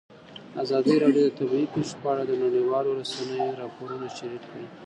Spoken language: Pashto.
ازادي راډیو د طبیعي پېښې په اړه د نړیوالو رسنیو راپورونه شریک کړي.